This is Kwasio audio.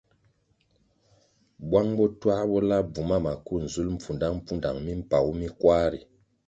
Bwang bo twā bo la bvuma maku nzulʼ mpfudangpfudang mimpagu mi kwar ri.